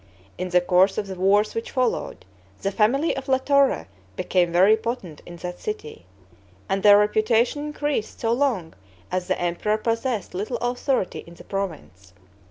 In the course of the wars which followed, the family of La Torre became very potent in that city, and their reputation increased so long as the emperor possessed little authority in the province.